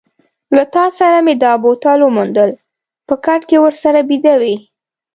له تا سره مې دا بوتل وموندل، په کټ کې ورسره بیده وې.